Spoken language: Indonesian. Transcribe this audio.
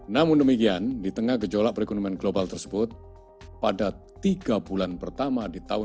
namun demikian di tengah gejolak perekonomian global tersebut pada tiga bulan pertama di tahun dua ribu dua puluh